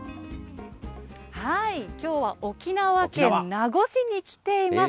きょうは沖縄県名護市に来ています。